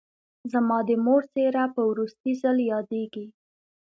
زما د مور څېره په وروستي ځل یادېږي